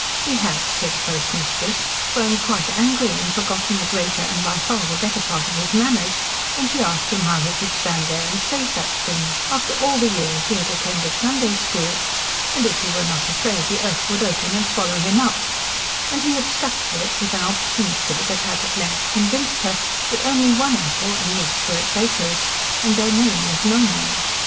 He had, said the postmistress, grown quite angry and forgotten the greater and by far the better part of his manners when she asked him how he could stand there and say such things after all the years he had attended Sunday school and if he were not afraid the earth would open and swallow him up, and he had stuck to it with an obstinacy that had at length convinced her that only one uncle and niece were at Baker's, and their name was Neumann.